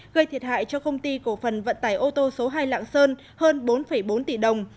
gây thiệt hại cho công ty cổ phần vận tải ô tô số hai lạng sơn hơn bốn bốn tỷ đồng